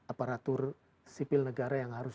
aparatur sipil negara yang harus